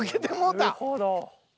なるほど。